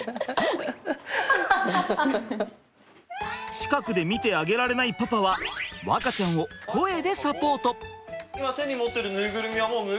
近くで見てあげられないパパは和花ちゃんを声でサポート！